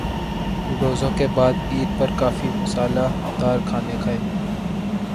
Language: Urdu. روزوں کے بعد عید پر کافی مصالحہ دار کھانے کھائے۔